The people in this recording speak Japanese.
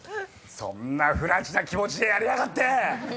そんなふらちな気持ちでやりやがって！